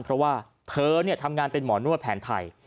เพราะว่าเธอทำงานเป็นหมอนวดแผนไทย